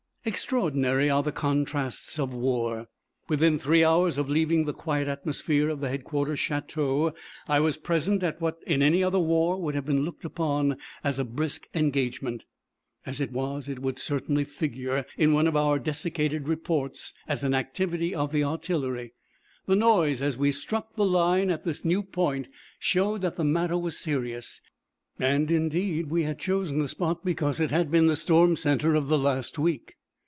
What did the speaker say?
Extraordinary are the contrasts of war. Within three hours of leaving the quiet atmosphere of the Headquarters Château I was present at what in any other war would have been looked upon as a brisk engagement. As it was it would certainly figure in one of our desiccated reports as an activity of the artillery. The noise as we struck the line at this new point showed that the matter was serious, and, indeed, we had chosen the spot because it had been the storm centre of the last week.